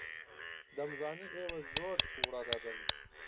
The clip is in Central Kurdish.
دەمزانی ئێوە زۆر تووڕە دەبن.